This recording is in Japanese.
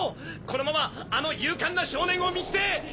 このままあの勇敢な少年を見捨て！